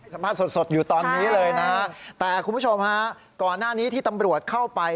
สภาพสดอยู่ตอนนี้เลยนะฮะแต่คุณผู้ชมฮะก่อนหน้านี้ที่ตำรวจเข้าไป